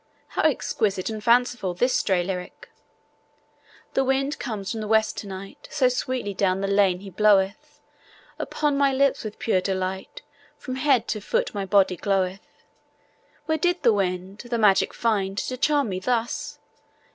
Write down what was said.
How exquisite and fanciful this stray lyric: The wind comes from the west to night; So sweetly down the lane he bloweth Upon my lips, with pure delight From head to foot my body gloweth. Where did the wind, the magic find To charm me thus?